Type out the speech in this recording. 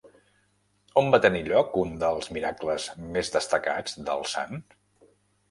On va tenir lloc un dels miracles més destacats del sant?